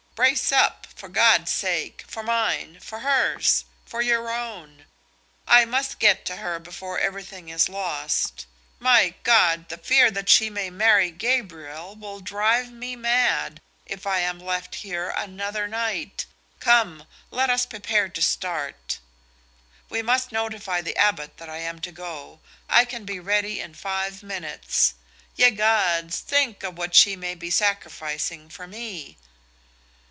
Brace up, for God's sake, for mine, for hers, for your own. I must get to her before everything is lost. My God, the fear that she may marry Gabriel will drive me mad if I am left here another night. Come! Let us prepare to start. We must notify the Abbot that I am to go. I can be ready in five minutes. Ye Gods, think of what she may be sacrificing for me!"